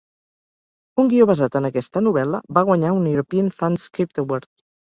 Un guió basat en aquesta novel·la va guanyar un European Fund Script Award.